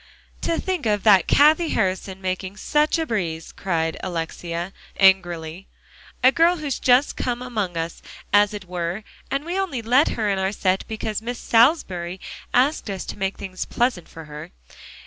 "To think of that Cathie Harrison making such a breeze," cried Alexia angrily; "a girl who's just come among us, as it were, and we only let her in our set because Miss Salisbury asked us to make things pleasant for her.